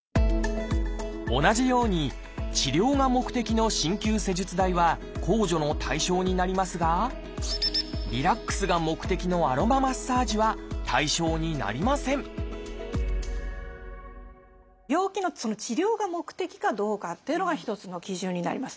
同じように治療が目的の鍼灸施術代は控除の対象になりますがリラックスが目的のアロママッサージは対象になりません病気の治療が目的かどうかっていうのが一つの基準になります。